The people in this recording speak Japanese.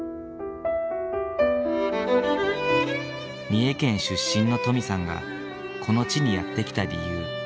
三重県出身の登美さんがこの地にやって来た理由。